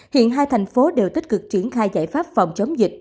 hiện hai thành phố đều tích cực triển khai giải pháp phòng chống dịch